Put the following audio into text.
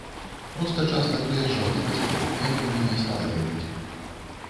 Проста часта прыязджаў да бацькоў, яны ў мяне сталыя людзі.